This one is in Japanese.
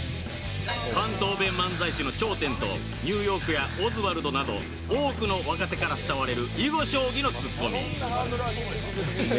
「関東弁漫才師の頂点」とニューヨークやオズワルドなど多くの若手から慕われる囲碁将棋のツッコミ